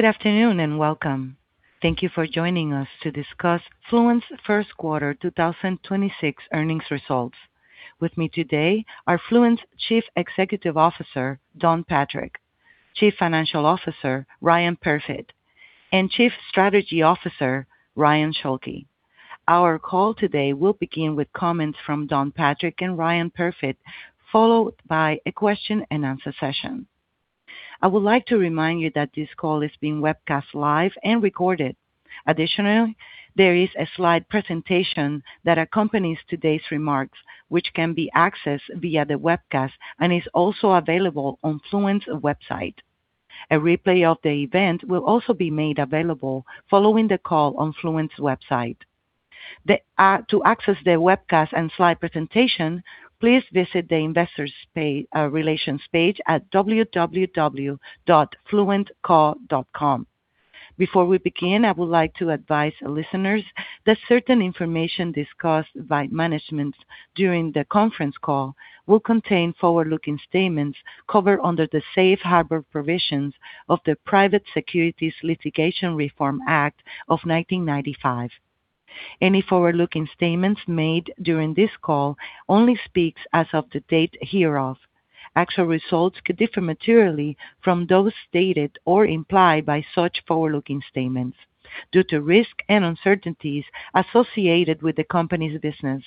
Good afternoon and welcome. Thank you for joining us to discuss Fluent's first quarter 2026 earnings results. With me today are Fluent's Chief Executive Officer, Don Patrick; Chief Financial Officer, Ryan Perfit; and Chief Strategy Officer, Ryan Schulke. Our call today will begin with comments from Don Patrick and Ryan Perfit, followed by a question-and-answer session. I would like to remind you that this call is being webcast live and recorded. Additionally, there is a slide presentation that accompanies today's remarks, which can be accessed via the webcast and is also available on Fluent's website. A replay of the event will also be made available following the call on Fluent's website. To access the webcast and slide presentation, please visit the investor relations page at www.fluentco.com. Before we begin, I would like to advise listeners that certain information discussed by management during the conference call will contain forward-looking statements covered under the safe harbor provisions of the Private Securities Litigation Reform Act of 1995. Any forward-looking statements made during this call only speaks as of the date hereof. Actual results could differ materially from those stated or implied by such forward-looking statements due to risks and uncertainties associated with the company's business.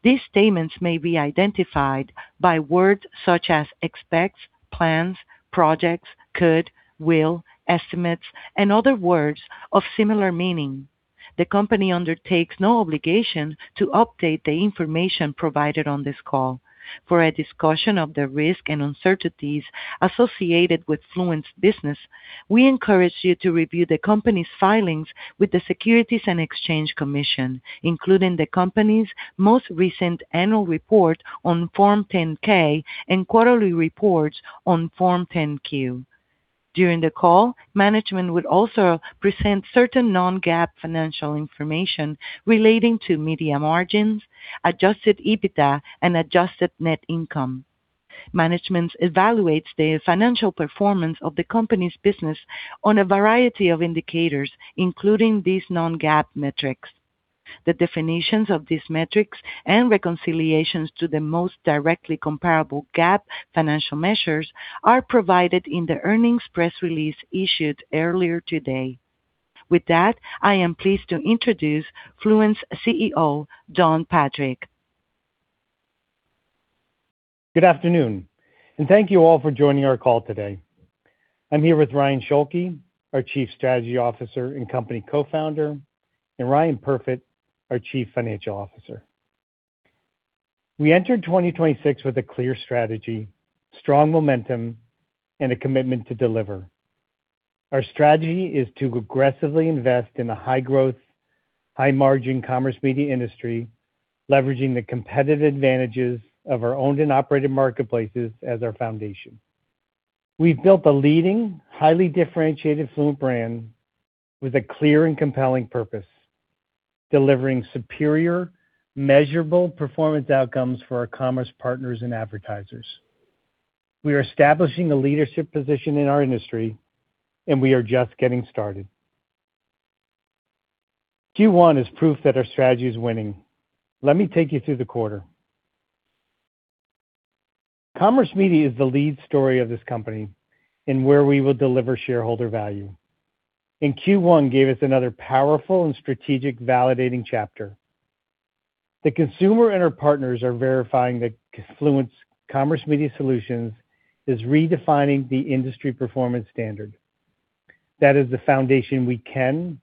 These statements may be identified by words such as expects, plans, projects, could, will, estimates, and other words of similar meaning. The company undertakes no obligation to update the information provided on this call. For a discussion of the risks and uncertainties associated with Fluent's business, we encourage you to review the company's filings with the Securities and Exchange Commission, including the company's most recent annual report on Form 10-K and quarterly reports on Form 10-Q. During the call, management will also present certain non-GAAP financial information relating to media margins, Adjusted EBITDA, and Adjusted Net Income. Management evaluates the financial performance of the company's business on a variety of indicators, including these non-GAAP metrics. The definitions of these metrics and reconciliations to the most directly comparable GAAP financial measures are provided in the earnings press release issued earlier today. With that, I am pleased to introduce Fluent's CEO, Don Patrick. Good afternoon, and thank you all for joining our call today. I'm here with Ryan Schulke, our Chief Strategy Officer and company co-founder, and Ryan Perfit, our Chief Financial Officer. We entered 2026 with a clear strategy, strong momentum, and a commitment to deliver. Our strategy is to aggressively invest in the high-growth, high-margin Commerce Media industry, leveraging the competitive advantages of our Owned and Operated Marketplaces as our foundation. We've built a leading, highly differentiated Fluent brand with a clear and compelling purpose, delivering superior measurable performance outcomes for our commerce partners and advertisers. We are establishing a leadership position in our industry, and we are just getting started. Q1 is proof that our strategy is winning. Let me take you through the quarter. Commerce Media is the lead story of this company and where we will deliver shareholder value. Q1 gave us another powerful and strategic validating chapter. The consumer and our partners are verifying that Fluent's Commerce Media Solutions is redefining the industry performance standard. That is the foundation we can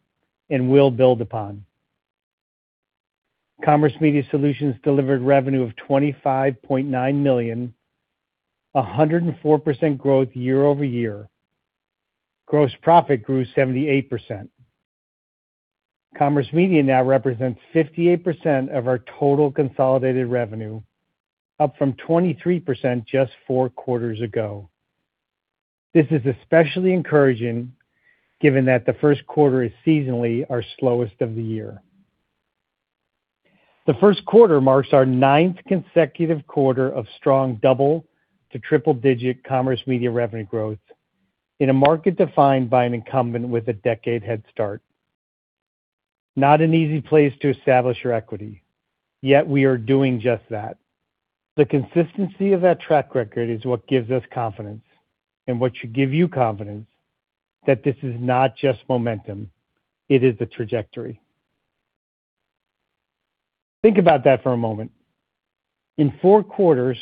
and will build upon. Commerce Media Solutions delivered revenue of $25.9 million, 104% growth year-over-year. Gross profit grew 78%. Commerce Media now represents 58% of our total consolidated revenue, up from 23% just four quarters ago. This is especially encouraging given that the first quarter is seasonally our slowest of the year. The first quarter marks our ninth consecutive quarter of strong double to triple-digit Commerce Media revenue growth in a market defined by an incumbent with a decade head start. Not an easy place to establish your equity, yet we are doing just that. The consistency of that track record is what gives us confidence and what should give you confidence that this is not just momentum, it is the trajectory. Think about that for a moment. In four quarters,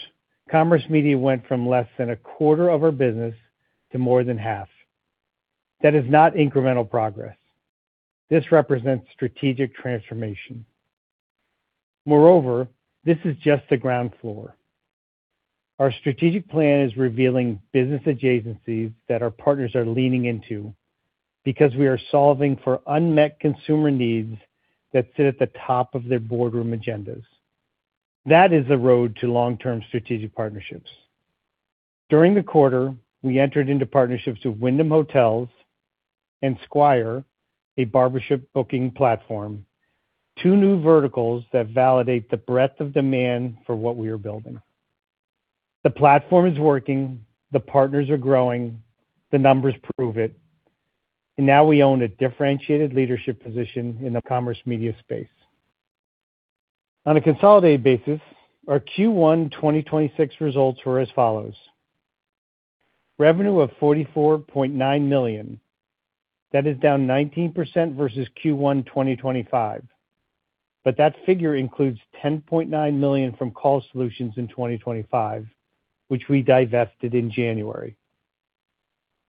Commerce Media went from less than a quarter of our business to more than half. That is not incremental progress. This represents strategic transformation. Moreover, this is just the ground floor. Our strategic plan is revealing business adjacencies that our partners are leaning into because we are solving for unmet consumer needs that sit at the top of their boardroom agendas. That is the road to long-term strategic partnerships. During the quarter, we entered into partnerships with Wyndham Hotels and Squire, a barbershop booking platform, two new verticals that validate the breadth of demand for what we are building. The platform is working, the partners are growing, the numbers prove it. Now we own a differentiated leadership position in the Commerce Media space. On a consolidated basis, our Q1 2026 results were as follows. Revenue of $44.9 million. That is down 19% versus Q1 2025. That figure includes $10.9 million from Call Solutions in 2025, which we divested in January.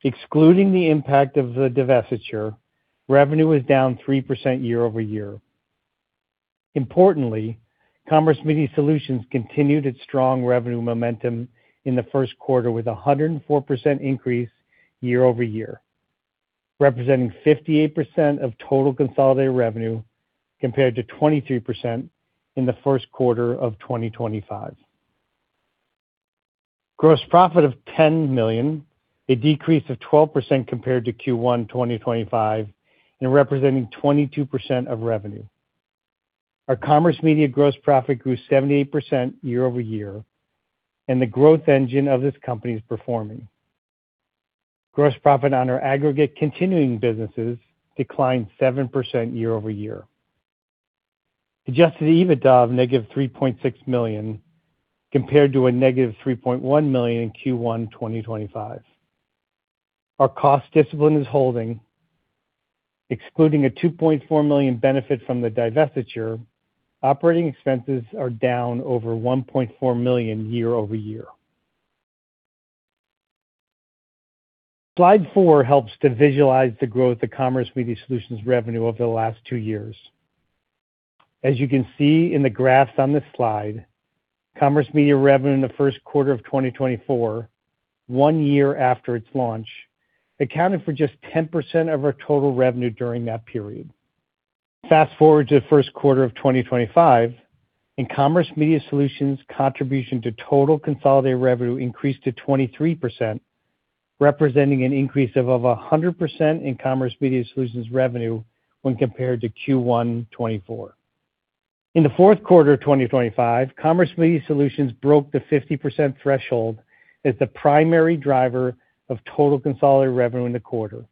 Excluding the impact of the divestiture, revenue is down 3% year-over-year. Importantly, Commerce Media Solutions continued its strong revenue momentum in the first quarter with a 104% increase year-over-year, representing 58% of total consolidated revenue compared to 23% in the first quarter of 2025. Gross profit of $10 million, a decrease of 12% compared to Q1 2025 and representing 22% of revenue. Our Commerce Media gross profit grew 78% year-over-year. The growth engine of this company is performing. Gross profit on our aggregate continuing businesses declined 7% year-over-year. Adjusted EBITDA of -$3.6 million compared to a -$3.1 million in Q1 2025. Our cost discipline is holding. Excluding a $2.4 million benefit from the divestiture, operating expenses are down over $1.4 million year-over-year. Slide four helps to visualize the growth of Commerce Media Solutions revenue over the last two years. As you can see in the graphs on this slide, Commerce Media revenue in the first quarter of 2024, one year after its launch, accounted for just 10% of our total revenue during that period. Fast-forward to the first quarter of 2025, Commerce Media Solutions contribution to total consolidated revenue increased to 23%, representing an increase of over 100% in Commerce Media Solutions revenue when compared to Q1 2024. In the fourth quarter of 2025, Commerce Media Solutions broke the 50% threshold as the primary driver of total consolidated revenue in the quarter.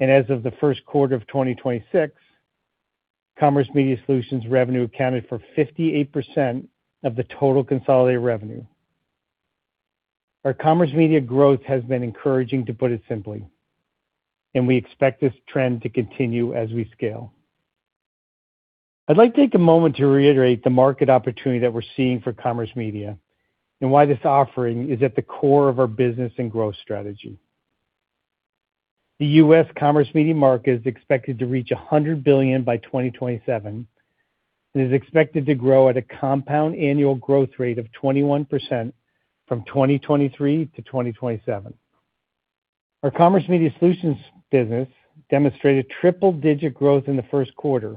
As of the first quarter of 2026, Commerce Media Solutions revenue accounted for 58% of the total consolidated revenue. Our Commerce Media growth has been encouraging, to put it simply, and we expect this trend to continue as we scale. I'd like to take a moment to reiterate the market opportunity that we're seeing for Commerce Media and why this offering is at the core of our business and growth strategy. The U.S. Commerce Media market is expected to reach $100 billion by 2027 and is expected to grow at a compound annual growth rate of 21% from 2023 to 2027. Our Commerce Media Solutions business demonstrated triple-digit growth in the first quarter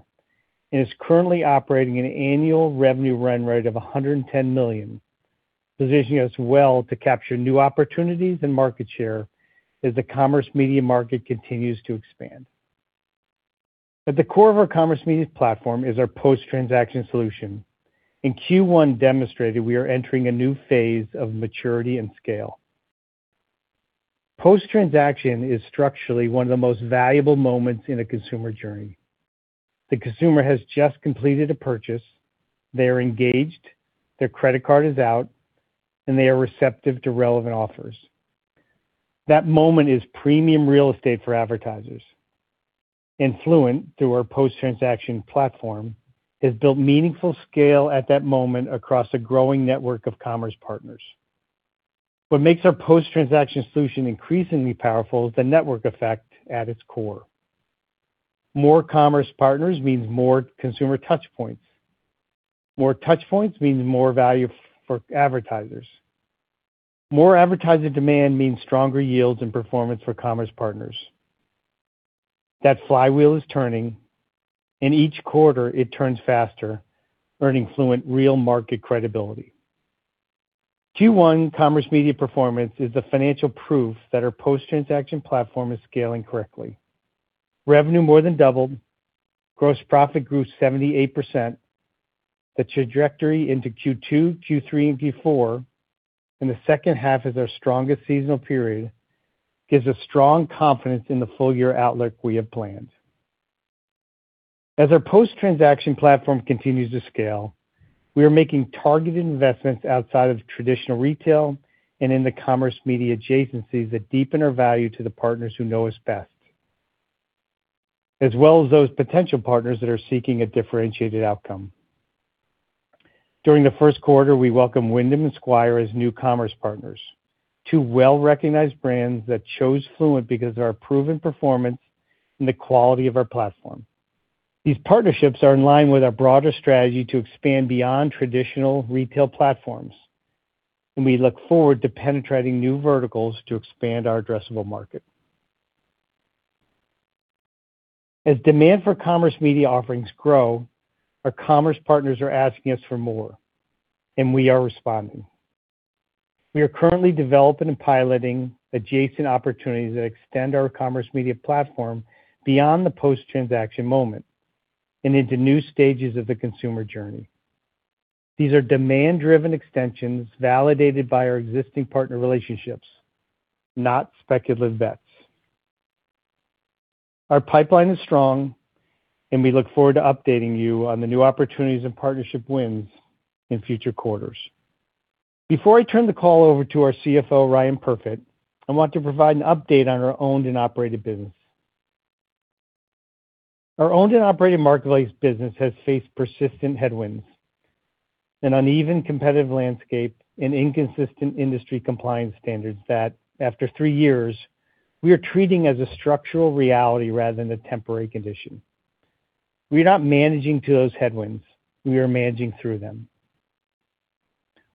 and is currently operating an annual revenue run rate of $110 million, positioning us well to capture new opportunities and market share as the Commerce Media market continues to expand. At the core of our Commerce Media platform is our post-transaction solution. In Q1 demonstrated we are entering a new phase of maturity and scale. Post-transaction is structurally one of the most valuable moments in a consumer journey. The consumer has just completed a purchase, they are engaged, their credit card is out, and they are receptive to relevant offers. That moment is premium real estate for advertisers. Fluent, through our post-transaction platform, has built meaningful scale at that moment across a growing network of commerce partners. What makes our post-transaction solution increasingly powerful is the network effect at its core. More commerce partners means more consumer touch points. More touch points means more value for advertisers. More advertising demand means stronger yields and performance for commerce partners. That flywheel is turning, and each quarter it turns faster, earning Fluent real market credibility. Q1 commerce media performance is the financial proof that our post-transaction platform is scaling correctly. Revenue more than doubled. Gross profit grew 78%. The trajectory into Q2, Q3, and Q4 in the second half as our strongest seasonal period gives us strong confidence in the full-year outlook we have planned. As our post-transaction platform continues to scale, we are making targeted investments outside of traditional retail and in the Commerce Media adjacencies that deepen our value to the partners who know us best, as well as those potential partners that are seeking a differentiated outcome. During the first quarter, we welcomed Wyndham and Squire as new commerce partners, two well-recognized brands that chose Fluent because of our proven performance and the quality of our platform. These partnerships are in line with our broader strategy to expand beyond traditional retail platforms. We look forward to penetrating new verticals to expand our addressable market. As demand for commerce media offerings grow, our commerce partners are asking us for more, and we are responding. We are currently developing and piloting adjacent opportunities that extend our commerce media platform beyond the post-transaction moment and into new stages of the consumer journey. These are demand-driven extensions validated by our existing partner relationships, not speculative bets. Our pipeline is strong, and we look forward to updating you on the new opportunities and partnership wins in future quarters. Before I turn the call over to our CFO, Ryan Perfit, I want to provide an update on our Owned and Operated business. Our Owned and Operated Marketplaces business has faced persistent headwinds, an uneven competitive landscape and inconsistent industry compliance standards that after three years, we are treating as a structural reality rather than a temporary condition. We are not managing to those headwinds, we are managing through them.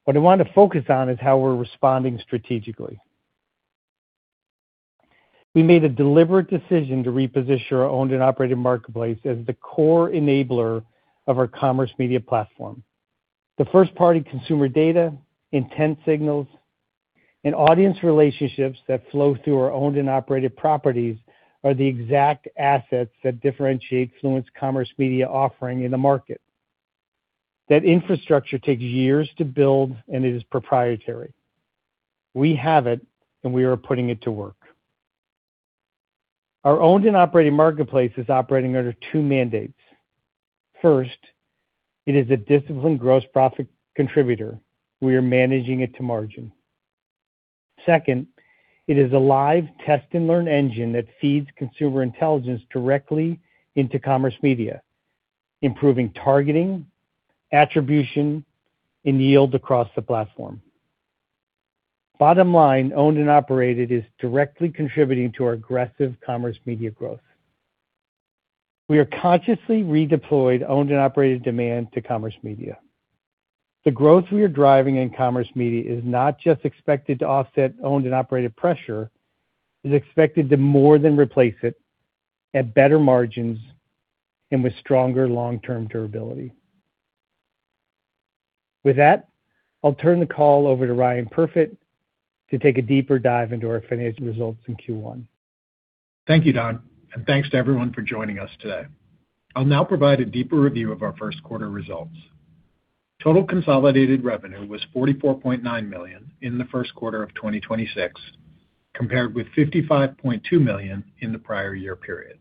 What I want to focus on is how we're responding strategically. We made a deliberate decision to reposition our Owned and Operated Marketplaces as the core enabler of our Commerce Media platform. The first-party consumer data, intent signals, and audience relationships that flow through our Owned and Operated properties are the exact assets that differentiate Fluent's Commerce Media offering in the market. That infrastructure takes years to build and it is proprietary. We have it, we are putting it to work. Our Owned and Operated Marketplaces is operating under two mandates. First, it is a disciplined gross profit contributor. We are managing it to margin. Second, it is a live test-and-learn engine that feeds consumer intelligence directly into Commerce Media, improving targeting, attribution, and yield across the platform. Bottom line, Owned and Operated is directly contributing to our aggressive Commerce Media growth. We have consciously redeployed Owned and Operated demand to Commerce Media. The growth we are driving in Commerce Media is not just expected to offset Owned and Operated pressure, it is expected to more than replace it at better margins and with stronger long-term durability. I'll turn the call over to Ryan Perfit to take a deeper dive into our financial results in Q1. Thank you, Don, and thanks to everyone for joining us today. I'll now provide a deeper review of our first quarter results. Total consolidated revenue was $44.9 million in the first quarter of 2026, compared with $55.2 million in the prior year period.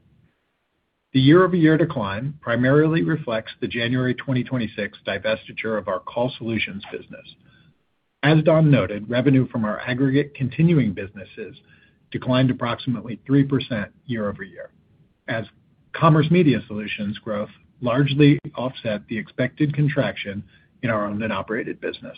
The year-over-year decline primarily reflects the January 2026 divestiture of our Call Solutions business. As Don noted, revenue from our aggregate continuing businesses declined approximately 3% year-over-year, as Commerce Media Solutions growth largely offset the expected contraction in our Owned and Operated business.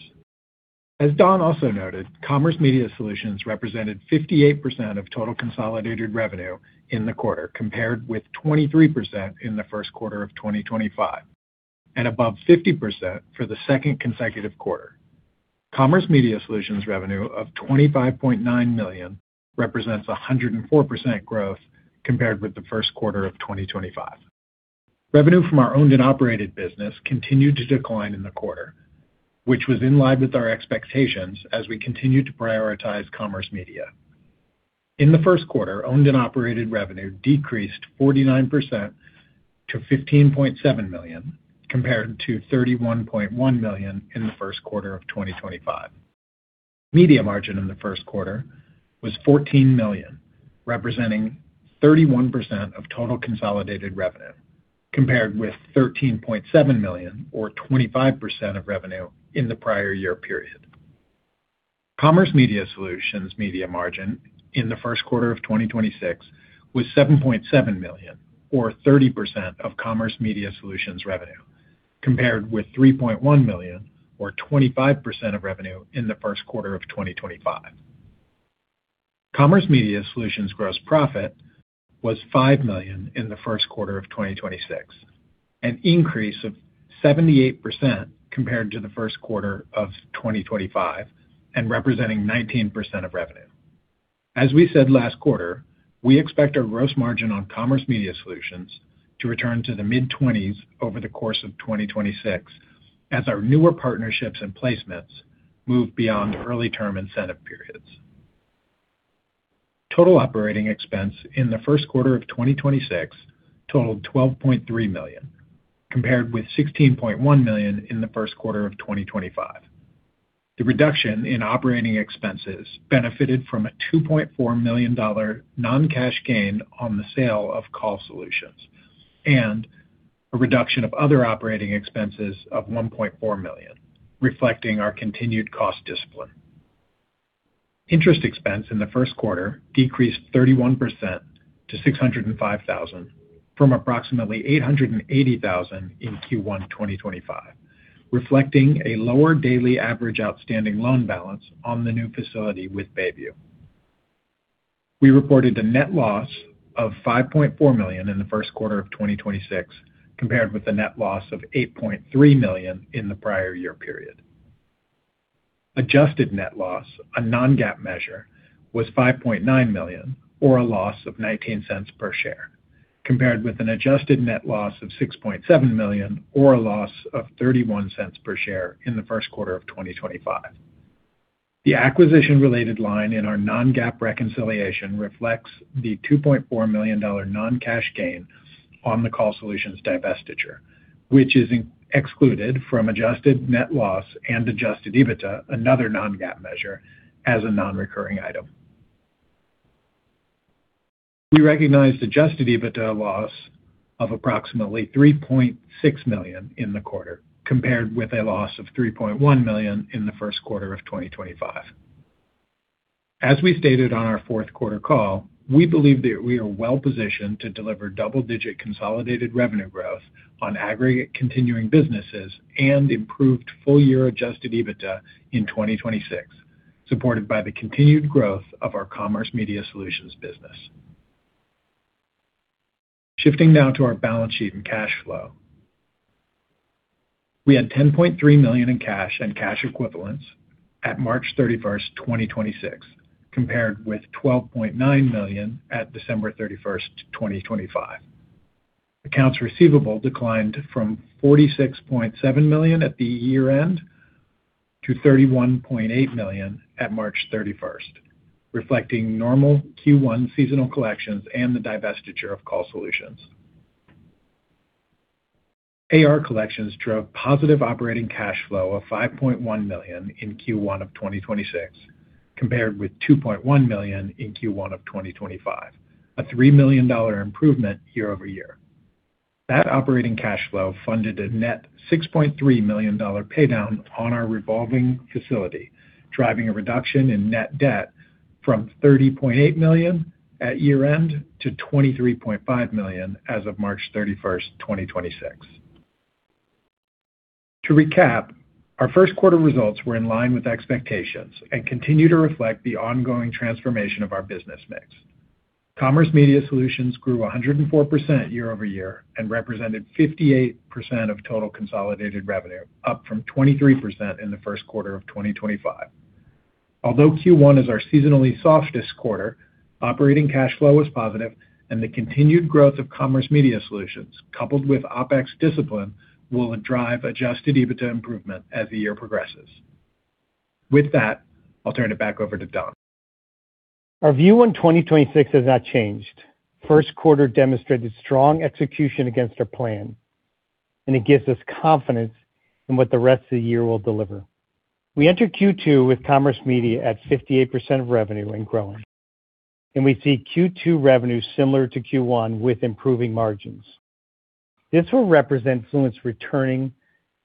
As Don also noted, Commerce Media Solutions represented 58% of total consolidated revenue in the quarter, compared with 23% in the first quarter of 2025 and above 50% for the second consecutive quarter. Commerce Media Solutions revenue of $25.9 million represents 104% growth compared with the first quarter of 2025. Revenue from our Owned and Operated business continued to decline in the quarter, which was in line with our expectations as we continued to prioritize Commerce Media. In the first quarter, Owned and Operated revenue decreased 49% to $15.7 million, compared to $31.1 million in the first quarter of 2025. media margin in the first quarter was $14 million, representing 31% of total consolidated revenue, compared with $13.7 million or 25% of revenue in the prior year period. Commerce Media Solutions media margin in the first quarter of 2026 was $7.7 million or 30% of Commerce Media Solutions revenue, compared with $3.1 million or 25% of revenue in the first quarter of 2025. Commerce Media Solutions gross profit was $5 million in the first quarter of 2026, an increase of 78% compared to the first quarter of 2025 and representing 19% of revenue. As we said last quarter, we expect our gross margin on Commerce Media Solutions to return to the mid-20s over the course of 2026 as our newer partnerships and placements move beyond early term incentive periods. Total operating expense in the first quarter of 2026 totaled $12.3 million, compared with $16.1 million in the first quarter of 2025. The reduction in operating expenses benefited from a $2.4 million non-cash gain on the sale of Call Solutions and a reduction of other operating expenses of $1.4 million, reflecting our continued cost discipline. Interest expense in the first quarter decreased 31% to $605,000 from approximately $880,000 in Q1 2025, reflecting a lower daily average outstanding loan balance on the new facility with Bayview. We reported a net loss of $5.4 million in the first quarter of 2026, compared with a net loss of $8.3 million in the prior year period. Adjusted Net Loss, a non-GAAP measure, was $5.9 million or a loss of $0.19 per share, compared with an Adjusted Net Loss of $6.7 million or a loss of $0.31 per share in the first quarter of 2025. The acquisition-related line in our non-GAAP reconciliation reflects the $2.4 million non-cash gain on the Call Solutions divestiture, which is excluded from Adjusted Net Loss and Adjusted EBITDA, another non-GAAP measure, as a non-recurring item. We recognized Adjusted EBITDA loss of approximately $3.6 million in the quarter, compared with a loss of $3.1 million in the first quarter of 2025. As we stated on our fourth quarter call, we believe that we are well positioned to deliver double-digit consolidated revenue growth on aggregate continuing businesses and improved full year Adjusted EBITDA in 2026, supported by the continued growth of our Commerce Media Solutions business. Shifting now to our balance sheet and cash flow. We had $10.3 million in cash and cash equivalents at March 31st, 2026, compared with $12.9 million at December 31st, 2025. Accounts receivable declined from $46.7 million at the year-end to $31.8 million at March 31st, reflecting normal Q1 seasonal collections and the divestiture of Call Solutions. AR collections drove positive operating cash flow of $5.1 million in Q1 of 2026, compared with $2.1 million in Q1 of 2025, a $3 million improvement year-over-year. That operating cash flow funded a net $6.3 million pay down on our revolving facility, driving a reduction in net debt from $30.8 million at year-end to $23.5 million as of March 31st, 2026. To recap, our first quarter results were in line with expectations and continue to reflect the ongoing transformation of our business mix. Commerce Media Solutions grew 104% year-over-year and represented 58% of total consolidated revenue, up from 23% in the first quarter of 2025. Although Q1 is our seasonally softest quarter, operating cash flow was positive and the continued growth of Commerce Media Solutions, coupled with OpEx discipline, will drive Adjusted EBITDA improvement as the year progresses. With that, I'll turn it back over to Don. Our view on 2026 has not changed. First quarter demonstrated strong execution against our plan, and it gives us confidence in what the rest of the year will deliver. We enter Q2 with Commerce Media at 58% of revenue and growing, and we see Q2 revenue similar to Q1 with improving margins. This will represent Fluent returning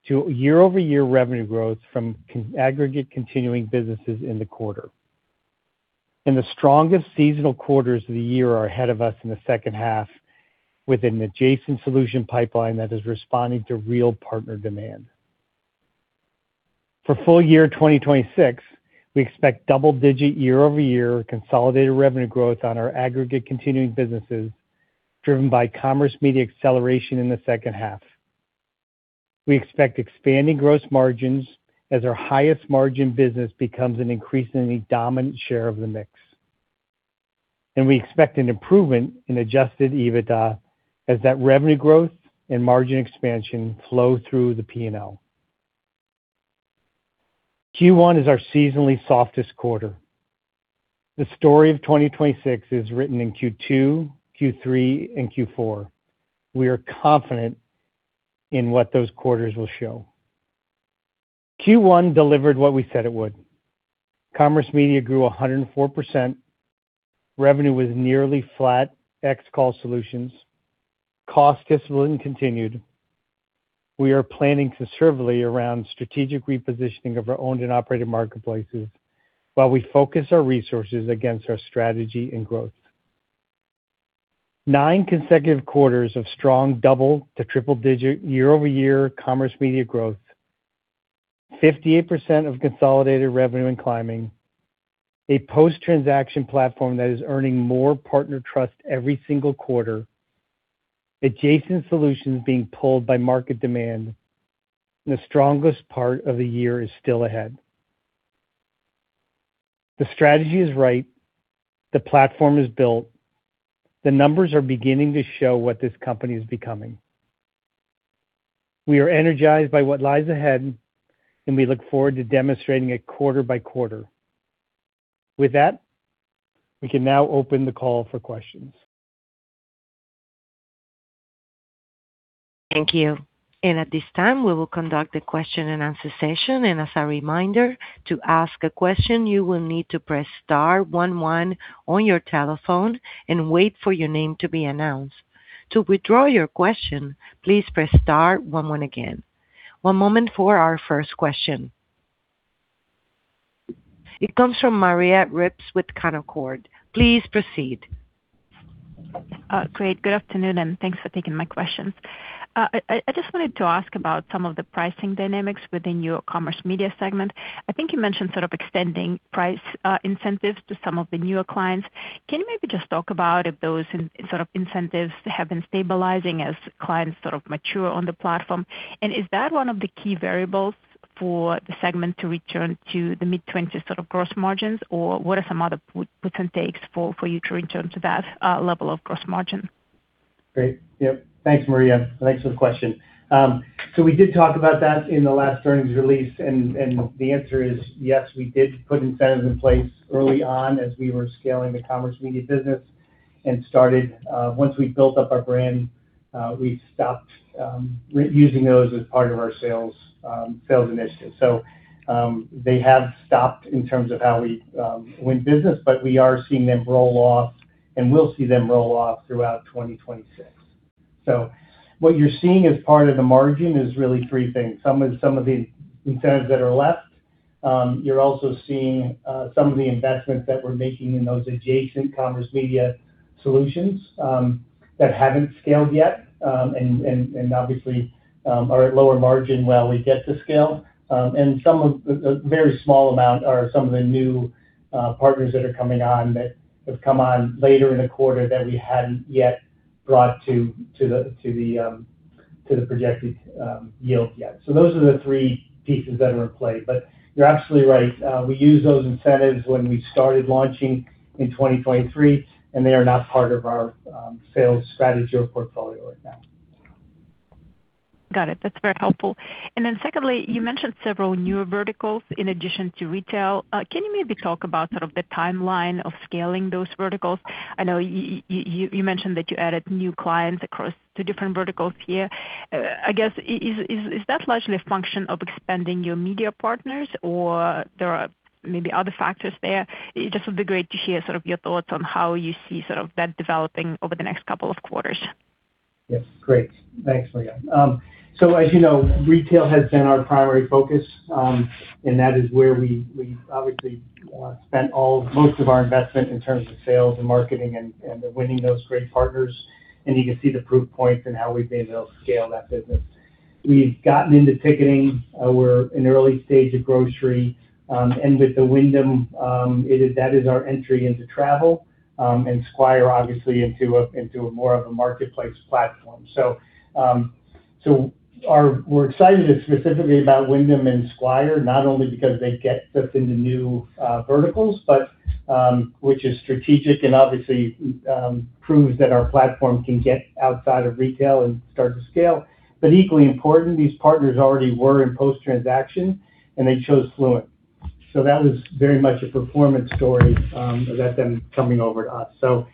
to year-over-year revenue growth from aggregate continuing businesses in the quarter. The strongest seasonal quarters of the year are ahead of us in the second half with an adjacent solution pipeline that is responding to real partner demand. For full year 2026, we expect double-digit year-over-year consolidated revenue growth on our aggregate continuing businesses, driven by Commerce Media acceleration in the second half. We expect expanding gross margins as our highest margin business becomes an increasingly dominant share of the mix. We expect an improvement in Adjusted EBITDA as that revenue growth and margin expansion flow through the P&L. Q1 is our seasonally softest quarter. The story of 2026 is written in Q2, Q3, and Q4. We are confident in what those quarters will show. Q1 delivered what we said it would. Commerce Media grew 104%. Revenue was nearly flat ex Call Solutions. Cost discipline continued. We are planning conservatively around strategic repositioning of our Owned and Operated Marketplaces while we focus our resources against our strategy and growth. Nine consecutive quarters of strong double to triple digit year-over-year Commerce Media growth. 58% of consolidated revenue and climbing. A post-transaction platform that is earning more partner trust every single quarter. Adjacent solutions being pulled by market demand. The strongest part of the year is still ahead. The strategy is right. The platform is built. The numbers are beginning to show what this company is becoming. We are energized by what lies ahead, and we look forward to demonstrating it quarter by quarter. With that, we can now open the call for questions. Thank you. At this time, we will conduct a question and answer session. As a reminder, to ask a question, you will need to press star one one on your telephone and wait for your name to be announced. To withdraw your question, please press star one one again. One moment for our first question. It comes from Maria Ripps with Canaccord. Please proceed. Great. Good afternoon, and thanks for taking my questions. I just wanted to ask about some of the pricing dynamics within your Commerce Media segment. I think you mentioned sort of extending price incentives to some of the newer clients. Can you maybe just talk about if those incentives have been stabilizing as clients sort of mature on the platform? Is that one of the key variables for the segment to return to the mid-20s sort of gross margins? What are some other puts and takes for you to return to that level of gross margin? Great. Thanks, Maria. Thanks for the question. We did talk about that in the last earnings release, and the answer is yes, we did put incentives in place early on as we were scaling the Commerce Media business. Once we built up our brand, we stopped re-using those as part of our sales initiative. They have stopped in terms of how we win business, but we are seeing them roll off, and will see them roll off throughout 2026. What you're seeing as part of the margin is really three things. Some of the incentives that are left. You're also seeing some of the investments that we're making in those adjacent Commerce Media Solutions that haven't scaled yet, and obviously are at lower margin while we get to scale. Some of the very small amount are some of the new partners that are coming on that have come on later in the quarter that we hadn't yet brought to the projected yield yet. Those are the three pieces that are in play. You're absolutely right. We used those incentives when we started launching in 2023, and they are not part of our sales strategy or portfolio right now. Got it. That's very helpful. Secondly, you mentioned several newer verticals in addition to retail. Can you maybe talk about sort of the timeline of scaling those verticals? I know you mentioned that you added new clients across the different verticals here. I guess is that largely a function of expanding your media partners, or there are maybe other factors there? It just would be great to hear sort of your thoughts on how you see sort of that developing over the next couple of quarters. Yes. Great. Thanks, Maria. As you know, retail has been our primary focus, and that is where we obviously spent most of our investment in terms of sales and marketing and winning those great partners. You can see the proof points in how we've been able to scale that business. We've gotten into ticketing. We're in early stage of grocery. With the Wyndham, that is our entry into travel, and Squire obviously into a more of a marketplace platform. We're excited specifically about Wyndham and Squire, not only because they get us into new verticals, but which is strategic and obviously proves that our platform can get outside of retail and start to scale. Equally important, these partners already were in post-transaction, and they chose Fluent. That was very much a performance story of that then coming over to us.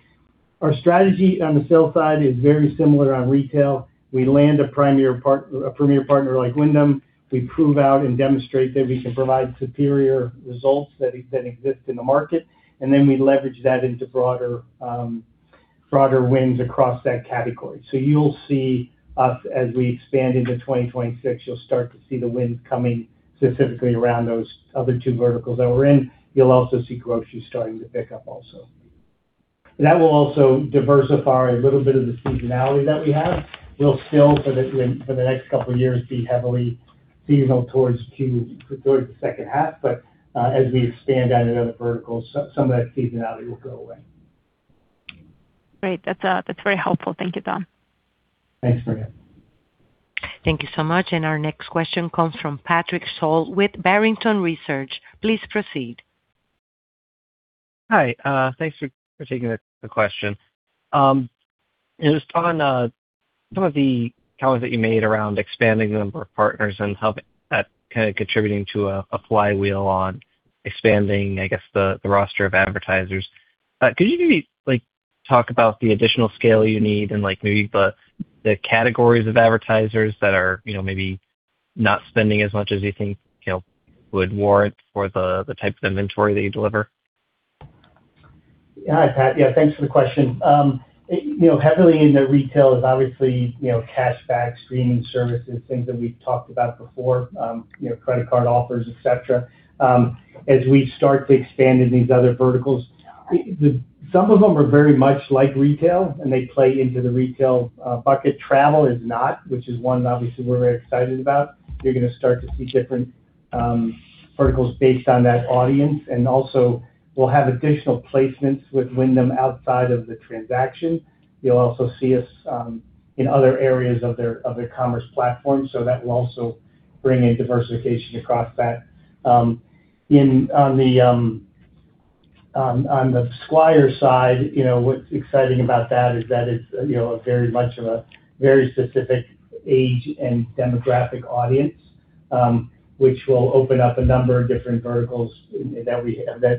Our strategy on the sales side is very similar on retail. We land a premier partner like Wyndham. We prove out and demonstrate that we can provide superior results that exist in the market, and then we leverage that into broader wins across that category. You'll see us as we expand into 2026, you'll start to see the wins coming specifically around those other two verticals that we're in. You'll also see grocery starting to pick up also. That will also diversify a little bit of the seasonality that we have. We'll still for the next couple of years be heavily seasonal towards Q, towards the second half. As we expand out into other verticals, some of that seasonality will go away. Great. That's, that's very helpful. Thank you, Don. Thanks, Maria. Thank you so much. Our next question comes from Patrick Sholl with Barrington Research. Please proceed. Hi. Thanks for taking the question. Just on some of the comments that you made around expanding the number of partners and how that kind of contributing to a flywheel on expanding, I guess, the roster of advertisers, could you maybe, like, talk about the additional scale you need and, like, maybe the categories of advertisers that are, you know, maybe not spending as much as you think, you know, would warrant for the types of inventory that you deliver? Yeah. Hi, Pat. Yeah, thanks for the question. You know, heavily into retail is obviously, you know, cash back, streaming services, things that we've talked about before, you know, credit card offers, et cetera. As we start to expand in these other verticals, some of them are very much like retail, and they play into the retail bucket. Travel is not, which is one obviously we're very excited about. You're gonna start to see different verticals based on that audience, and also we'll have additional placements with Wyndham outside of the transaction. You'll also see us in other areas of their, of their commerce platform. That will also bring in diversification across that. In, on the Squire side, you know, what's exciting about that is that it's, you know, a very much of a very specific age and demographic audience, which will open up a number of different verticals that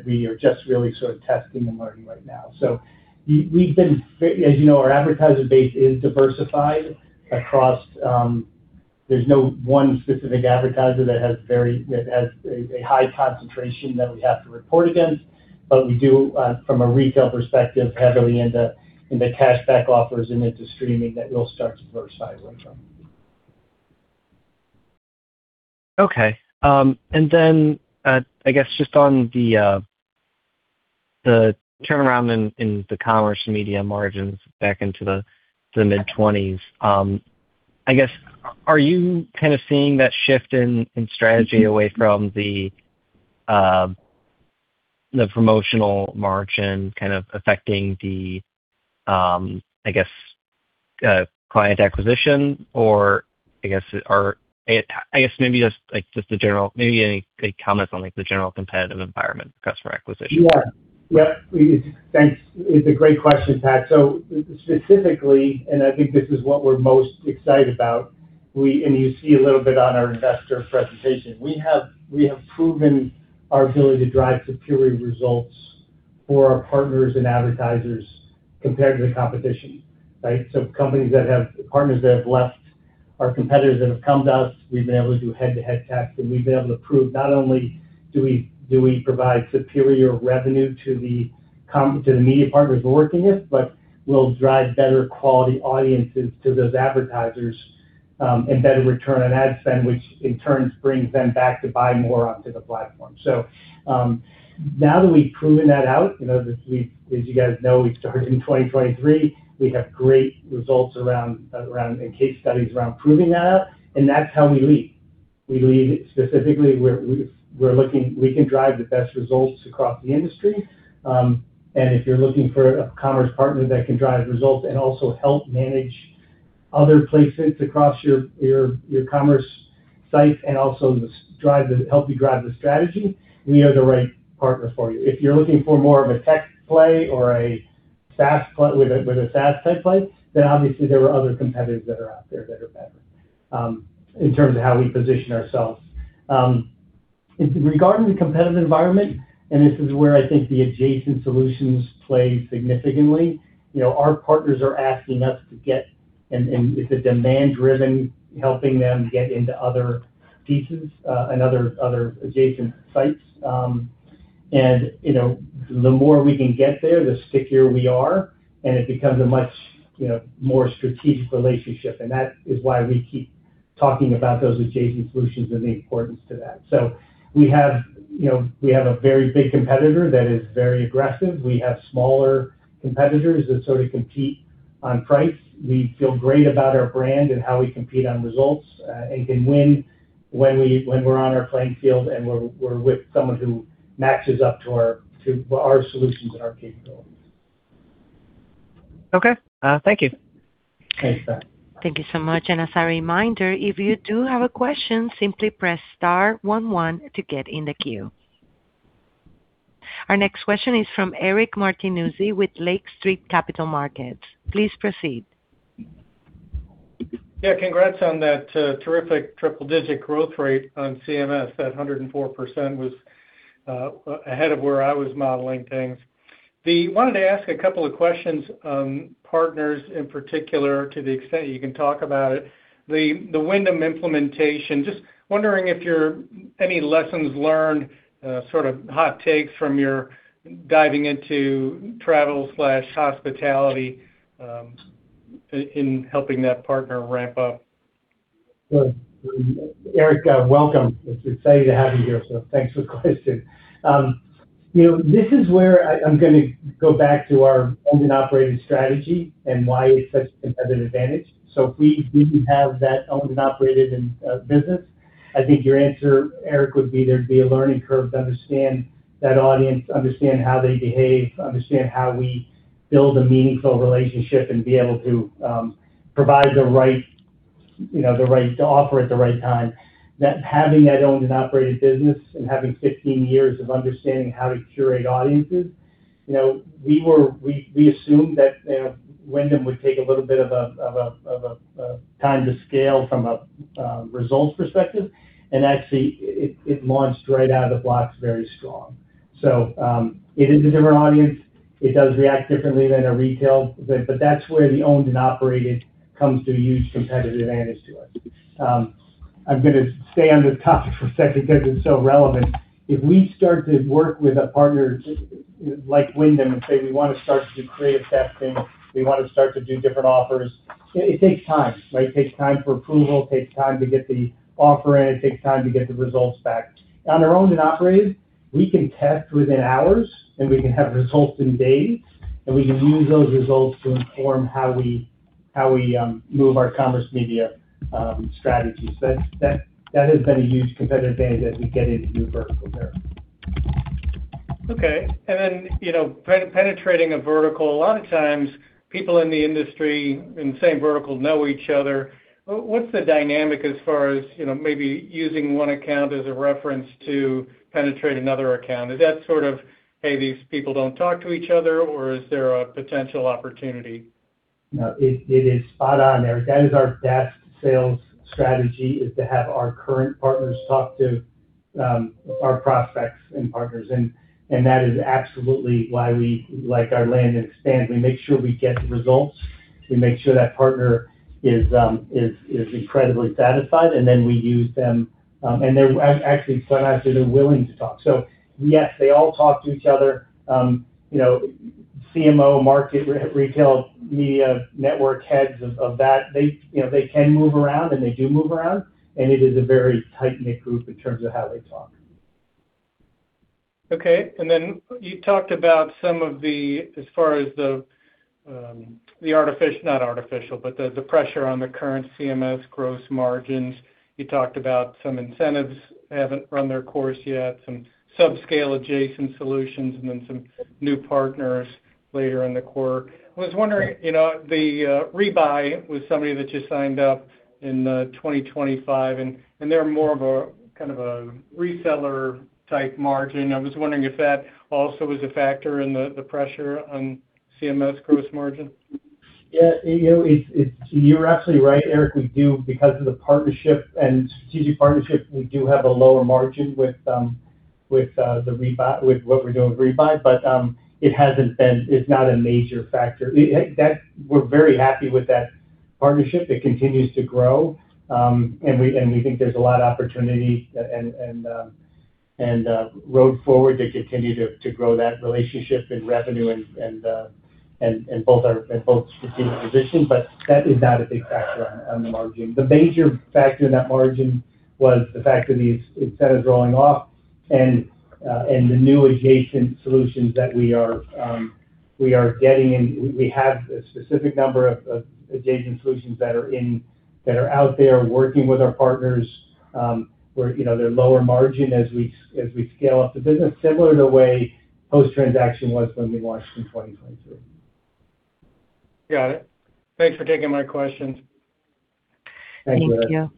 we are just really sort of testing and learning right now. As you know, our advertiser base is diversified across. There's no one specific advertiser that has a high concentration that we have to report against. We do, from a retail perspective, heavily into cash back offers and into streaming that we'll start to diversify away from. Okay. I guess just on the turnaround in the commerce media margins back into the mid-twenties. I guess, are you kind of seeing that shift in strategy away from the promotional margin kind of affecting the I guess client acquisition? Or I guess maybe just any comments on the general competitive environment customer acquisition? Yeah. Yeah, Thanks. It's a great question, Pat. Specifically, and I think this is what we're most excited about, and you see a little bit on our investor presentation. We have proven our ability to drive superior results for our partners and advertisers compared to the competition, right? Companies that have partners that have left our competitors and have come to us, we've been able to do head-to-head tests, and we've been able to prove not only do we provide superior revenue to the media partners we're working with, but we'll drive better quality audiences to those advertisers, and better return on ad spend, which in turn brings them back to buy more onto the platform. Now that we've proven that out, you know, as you guys know, we started in 2023. We have great results around, and case studies around proving that out, and that's how we lead. We lead specifically where we're looking we can drive the best results across the industry. If you're looking for a Commerce partner that can drive results and also help manage other places across your Commerce site and also just help you drive the strategy, we are the right partner for you. If you're looking for more of a tech play or a SaaS play with a SaaS-type play, obviously there are other competitors that are out there that are better in terms of how we position ourselves. Regarding the competitive environment, this is where I think the adjacent solutions play significantly, you know, our partners are asking us to get, and it's a demand-driven, helping them get into other pieces and other adjacent sites. You know, the more we can get there, the stickier we are, and it becomes a much, you know, more strategic relationship. That is why we keep talking about those adjacent solutions and the importance to that. We have, you know, we have a very big competitor that is very aggressive. We have smaller competitors that sort of compete on price. We feel great about our brand and how we compete on results and can win when we're on our playing field and we're with someone who matches up to our solutions and our capabilities. Okay. Thank you. Okay. Thank you so much. As a reminder, if you do have a question, simply press star one one to get in the queue. Our next question is from Eric Martinuzzi with Lake Street Capital Markets. Please proceed. Yeah, congrats on that, terrific triple-digit growth rate on CMS. That 104% was ahead of where I was modeling things. Wanted to ask a couple of questions on partners in particular, to the extent you can talk about it. The Wyndham implementation, just wondering if you're any lessons learned, sort of hot takes from your diving into travel/hospitality, in helping that partner ramp up. Eric, welcome. It's exciting to have you here, thanks for the question. You know, this is where I'm gonna go back to our owned and operated strategy and why it's such a competitive advantage. If we didn't have that owned and operated business, I think your answer, Eric, would be there'd be a learning curve to understand that audience, understand how they behave, understand how we build a meaningful relationship and be able to provide the right, you know, the right offer at the right time. Having that owned and operated business and having 15 years of understanding how to curate audiences, you know, we assumed that, you know, Wyndham would take a little bit of a time to scale from a results perspective. Actually, it launched right out of the blocks very strong. It is a different audience. It does react differently than a retail, but that's where the Owned and Operated comes to a huge competitive advantage to us. I'm going to stay on this topic for a second because it's so relevant. If we start to work with a partner like Wyndham and say we want to start to do creative testing, we want to start to do different offers, it takes time. It takes time for approval, it takes time to get the offer in, it takes time to get the results back. On our Owned and Operated, we can test within hours, and we can have results in days, and we can use those results to inform how we move our Commerce Media strategies. That has been a huge competitive advantage as we get into new verticals there. Okay. You know, penetrating a vertical, a lot of times people in the industry in the same vertical know each other. What's the dynamic as far as, you know, maybe using one account as a reference to penetrate another account? Is that sort of, hey, these people don't talk to each other, or is there a potential opportunity? No, it is spot on, Eric. That is our best sales strategy, is to have our current partners talk to our prospects and partners. That is absolutely why we like our land and expand. We make sure we get the results. We make sure that partner is incredibly satisfied, and then we use them. They're actually sometimes they're willing to talk. Yes, they all talk to each other. You know, CMO, market retail, media network heads of that, they, you know, they can move around, and they do move around, and it is a very tight-knit group in terms of how they talk. Okay. Then you talked about some of the, as far as the pressure on the current CMS gross margins. You talked about some incentives haven't run their course yet, some subscale adjacent solutions, and then some new partners later in the quarter. I was wondering, you know, the Rebuy was somebody that you signed up in 2025 and they're more of a, kind of a reseller-type margin. I was wondering if that also was a factor in the pressure on CMS gross margin. Yeah, you know, it's you're absolutely right, Eric. We do, because of the partnership and strategic partnership, we do have a lower margin with the Rebuy, with what we're doing with Rebuy. It's not a major factor. We're very happy with that partnership. It continues to grow. And we think there's a lot of opportunity and road forward to continue to grow that relationship and revenue and both our strategic positions. That is not a big factor on the margin. The major factor in that margin was the fact that the incentive's rolling off and the new adjacent solutions that we are getting. We have a specific number of adjacent solutions that are in, that are out there working with our partners, you know, they're lower margin as we scale up the business. Similar to the way post-transaction was when we launched in 2023. Got it. Thanks for taking my questions. Thank you, Eric. Thank you.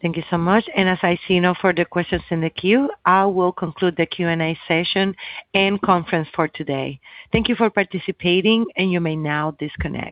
Thank you so much. As I see no further questions in the queue, I will conclude the Q&A session and conference for today. Thank you for participating, and you may now disconnect.